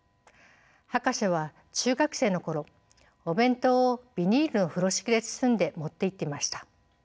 博士は中学生の頃お弁当をビニールの風呂敷で包んで持っていっていました。